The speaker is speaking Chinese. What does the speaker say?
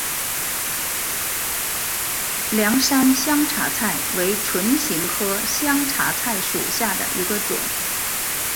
凉山香茶菜为唇形科香茶菜属下的一个种。